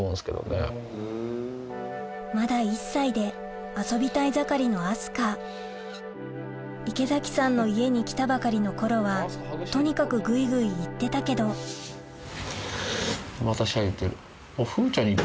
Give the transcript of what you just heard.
まだ１歳で遊びたい盛りの明日香池崎さんの家に来たばかりの頃はとにかくグイグイ行ってたけどまたシャ言ってる。